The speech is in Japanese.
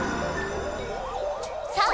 さあ！